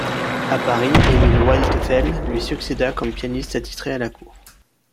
À Paris, Émile Waldteufel lui succéda comme pianiste attitré à la cour.